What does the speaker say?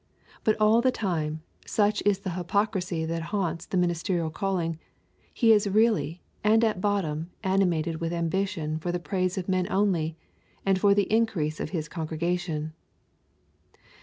But all the time, such is the hypocrisy that haunts the ministerial calling, he is really and at bottom animated with ambition for the praise of men only, and for the increase of his congregation.